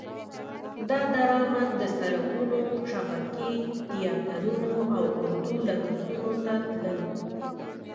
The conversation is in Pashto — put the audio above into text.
دا درامد د سرکونو شبکې، تیاترونه او اردو لګښتونو ته تلل.